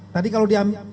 tadi kalau diambil